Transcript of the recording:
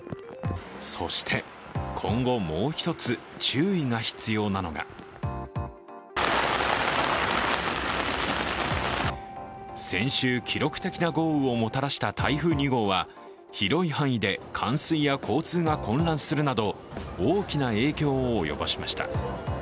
そして今後もう一つ注意が必要なのが先週、記録的な豪雨をもたらした台風２号は広い範囲で冠水や交通が混乱するなど大きな影響を及ぼしました。